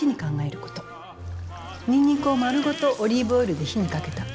ニンニクを丸ごとオリーブオイルで火にかけた。